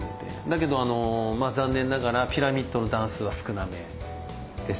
だけど残念ながらピラミッドの段数は少なめでしたけどもね。